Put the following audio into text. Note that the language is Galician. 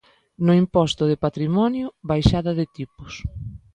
No imposto de patrimonio, baixada de tipos.